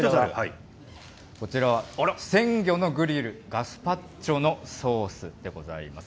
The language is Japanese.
こちらは鮮魚のグリルガスパチョのソースでございます。